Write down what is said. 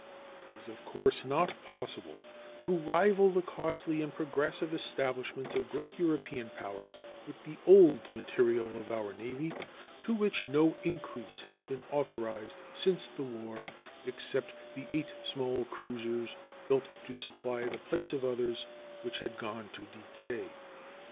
It is, of course, not possible to rival the costly and progressive establishments of great European powers with the old material of our Navy, to which no increase has been authorized since the war, except the eight small cruisers built to supply the place of others which had gone to decay.